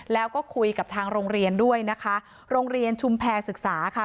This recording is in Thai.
แล้วก็คุยกับทางโรงเรียนด้วยนะคะโรงเรียนชุมแพรศึกษาค่ะ